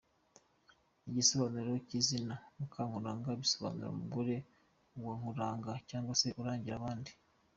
Igisobanuro cy’izina Mukankuranga bisobanuye umugore wa Nkuranga cyangwa se urangira abandi.